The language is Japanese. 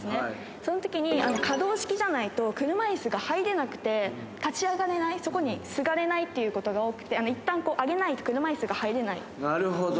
そのときに、可動式じゃないと車いすが入れなくて、立ち上がれない、そこにすがれないということが多くて、いったん上げないと、車いすが入なるほど。